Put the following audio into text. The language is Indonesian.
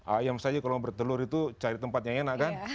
ayam saja kalau bertelur itu cari tempat yang enak kan